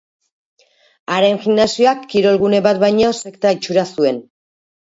Haren gimnasioak, kirol gune bat baino, sekta itxura zuen.